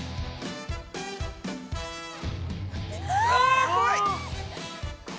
あ怖い！